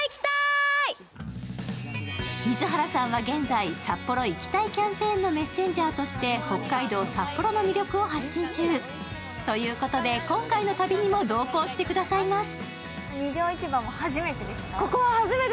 水原さんは現在、「札幌行きたいキャンペーン」のメッセンジャーとして北海道札幌の魅力を発信中。ということで、今回の旅にも同行してくださいます。